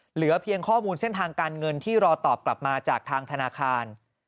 เหลือเพียงข้อมูลเส้นทางการเงินที่รอตอบกลับมาจากทางธนาคาร